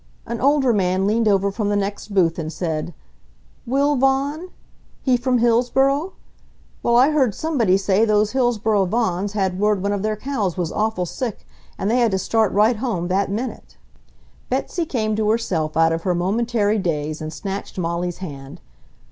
An older man leaned over from the next booth and said: "Will Vaughan? He from Hillsboro? Well, I heard somebody say those Hillsboro Vaughans had word one of their cows was awful sick, and they had to start right home that minute." Betsy came to herself out of her momentary daze and snatched Molly's hand.